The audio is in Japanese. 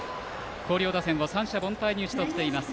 広陵打線を三者凡退に打ち取っています。